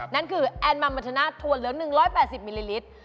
นั่นคือแอนมัมมัธนาถั่วเหลือง๑๘๐มิลลิลิตร